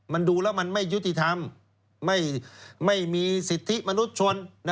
มันดูแล้วมันไม่ยุติธรรมไม่มีสิทธิมนุษยชน